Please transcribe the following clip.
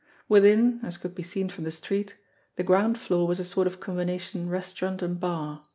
Within, as could be seen from the street, the ground floor was a sort of combination restaurant and bar.